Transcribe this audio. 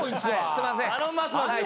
すいません。